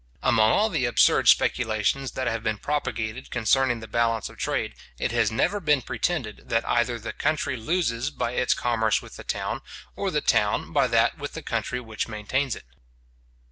Among all the absurd speculations that have been propagated concerning the balance of trade, it has never been pretended that either the country loses by its commerce with the town, or the town by that with the country which maintains it.